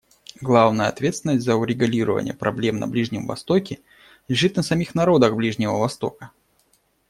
Главная ответственность за урегулирование проблем на Ближнем Востоке лежит на самих народах Ближнего Востока.